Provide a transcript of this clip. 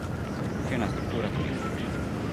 C'è una struttura turistica in zona.